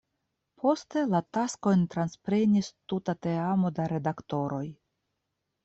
Poste, la taskojn transprenis tuta teamo da redaktoroj.